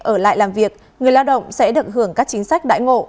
ở lại làm việc người lao động sẽ được hưởng các chính sách đại ngộ